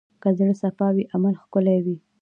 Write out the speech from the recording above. که زړه صفا وي، عمل ښکلی وي.